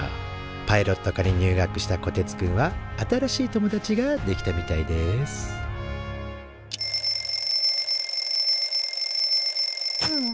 パイロット科に入学したこてつくんは新しい友達ができたみたいですふああ。